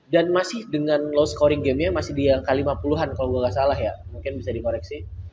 dan masih dengan low scoring gamenya masih di yang kelima puluhan kalo gue gak salah ya mungkin bisa dikoreksi